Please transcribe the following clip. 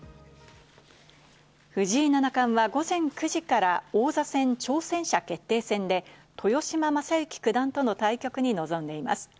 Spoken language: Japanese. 藤井七冠は午前９時から王座戦挑戦者決定戦で豊島将之九段との対局に臨んでいます。